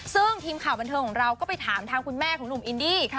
ซึ่งทีมข่าวบันเทิงของเราก็ไปถามทางคุณแม่ของหนุ่มอินดี้